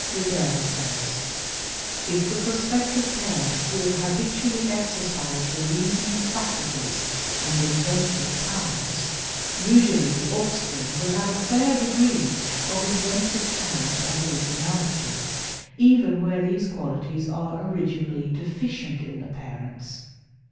Riddell says: "If the prospective parents will habitually exercise the reasoning faculties and inventive powers, usually the offspring will have a fair degree of inventive talent and originality, even where these qualities are originally deficient in the parents.